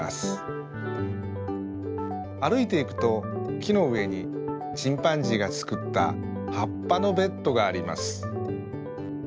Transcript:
あるいていくときのうえにチンパンジーがつくったはっぱのベッドがあります。